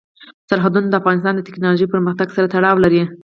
سرحدونه د افغانستان د تکنالوژۍ پرمختګ سره تړاو لري.